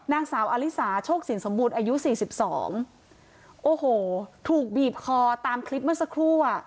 นางสาวอลิสาโชคสินสมบูรณ์อายุสี่สิบสองโอ้โหถูกบีบคอตามคลิปเมื่อสักครู่อ่ะ